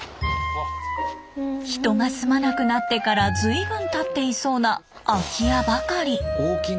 人が住まなくなってから随分たっていそうな空き家ばかり。